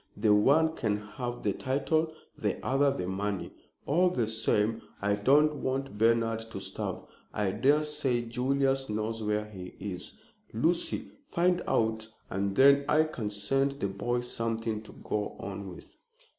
The one can have the title, the other the money. All the same I don't want Bernard to starve. I daresay Julius knows where he is, Lucy. Find out, and then I can send the boy something to go on with."